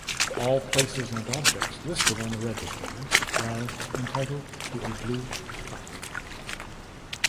All places and objects listed on the register are entitled to a Blue plaque.